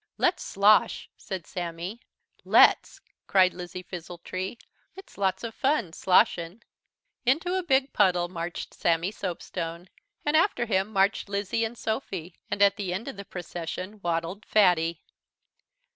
"Let's slosh," said Sammy. "Let's!" cried Lizzie Fizzletree, "it's lots of fun, sloshin'." Into a big puddle marched Sammy Soapstone, and after him marched Lizzie and Sophy, and at the end of the procession waddled Fatty.